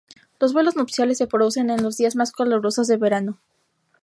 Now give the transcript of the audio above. Los vuelos nupciales se producen en los días más calurosos de verano.